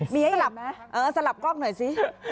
มีให้หลับไหมเออสลับกล้องหน่อยสิ